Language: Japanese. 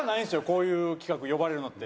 こういう企画呼ばれるのって。